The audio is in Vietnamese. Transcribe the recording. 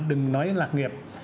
đừng nói đến lạc nghiệp